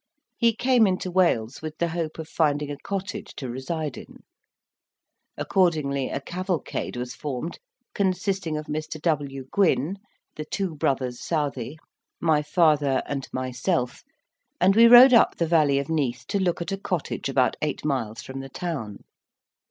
He came into Wales with the hope of finding a cottage to reside in. Accordingly, a cavalcade was formed, consisting of Mr. W. Gwynne, the two brothers Southey, my father, and myself, and we rode up the Valley of Neath to look at a cottage about eight miles from the town.